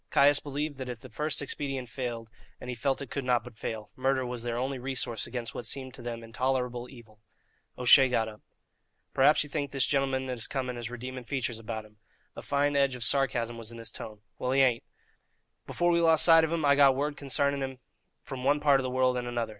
Caius believed that if the first expedient failed, and he felt it could not but fail, murder was their only resource against what seemed to them intolerable evil. O'Shea got up. "Perhaps ye think the gintleman that is coming has redeeming features about him?" A fine edge of sarcasm was in his tone. "Well, he hain't. Before we lost sight of him, I got word concarning him from one part of the world and another.